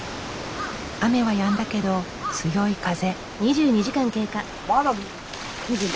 雨はやんだけど強い風。